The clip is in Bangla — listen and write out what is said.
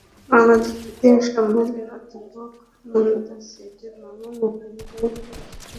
বাংলাদেশ ইতিহাস সম্মিলনীর অধ্যাপক মুনতাসীর মামুনও মনে করেন, তিন সিটি নির্বাচন ছিল সংঘাতমুক্ত।